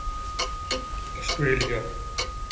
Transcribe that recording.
Australia